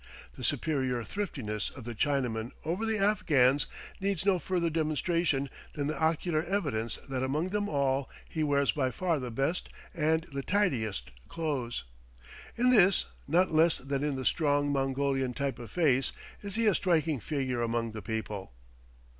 The superior thriftiness of the Chinaman over the Afghans needs no further demonstration than the ocular evidence that among them all he wears by far the best and the tidiest clothes. In this, not less than in the strong Mongolian type of face, is he a striking figure among the people.